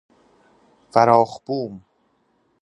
فراخ بوم